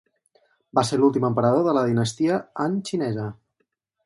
Va ser l'últim emperador de la Dinastia Han xinesa.